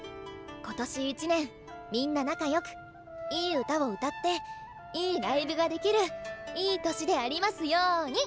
今年１年みんな仲良くいい歌を歌っていいライブができるいい年でありますように。